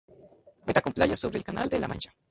Cuenta con playas sobre el Canal de la Mancha.